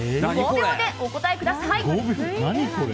５秒でお答えください。